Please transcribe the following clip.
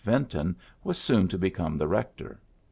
Yinton was soon to become the rector.